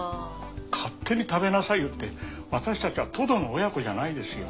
勝手に食べなさいよって私たちはトドの親子じゃないですよ。